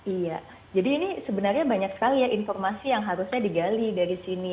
iya jadi ini sebenarnya banyak sekali ya informasi yang harusnya digali dari sini